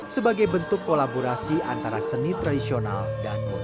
sebagai bentuk kolaborasi antara seni tradisional dan budaya